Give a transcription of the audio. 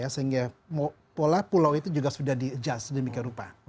sehingga pola pulau itu juga sudah di adjust demikian rupa